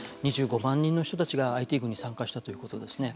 ２５万人の人たちがＩＴ軍に参加したということですね。